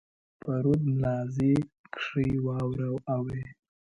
په رود ملازۍ کښي واوره اوري.